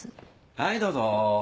はいどうぞ。